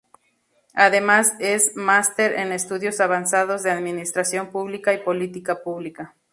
Además es máster en estudios avanzados de Administración pública y política pública.